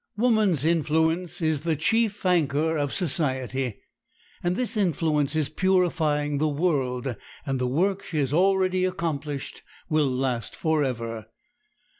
Woman's influence is the chief anchor of society, and this influence is purifying the world, and the work she has already accomplished will last forever.